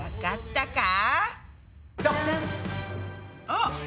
あっ。